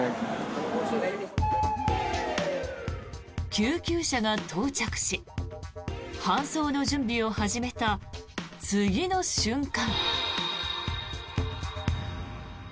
救急車が到着し搬送の準備を始めた次の瞬間。